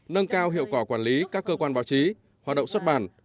nâng cao hiệu quả quản lý các cơ quan báo chí hoạt động xuất bản